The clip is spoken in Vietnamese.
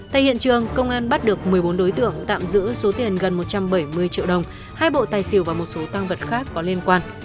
tại hiện trường công an bắt được một mươi bốn đối tượng tạm giữ số tiền gần một trăm bảy mươi triệu đồng hai bộ tài xỉu và một số tăng vật khác có liên quan